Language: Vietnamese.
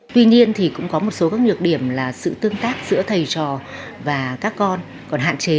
tuy nhiên thì cũng có một số các nhược điểm là sự tương tác giữa thầy trò và các con còn hạn chế